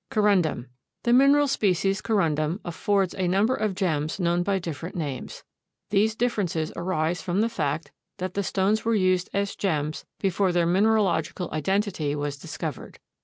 CORUNDUM. The mineral species Corundum affords a number of gems known by different names. These differences arise from the fact that the stones were used as gems before their mineralogical identity was discovered.